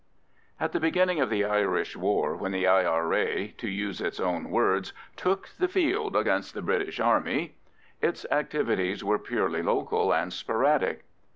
At the beginning of the Irish war, when the I.R.A., to use its own words, "took the field against the British Army," its activities were purely local and sporadic.